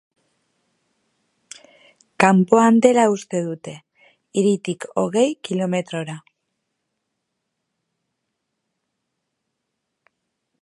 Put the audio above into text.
Kanpoan dela uste dute, hiritik hogei kilometrora.